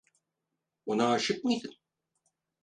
Ona aşık mıydın?